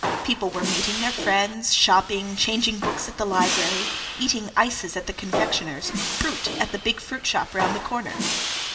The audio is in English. People were meeting their friends, shopping, changing books at the library, eating ices at the confectioner's, fruit at the big fruit shop round the corner.